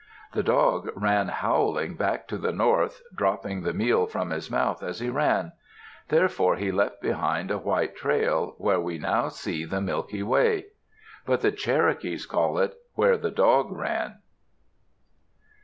The dog ran howling back to the north, dropping the meal from his mouth as he ran. Therefore he left behind a white trail where we now see the Milky Way. But the Cherokees called it "Where the dog ran."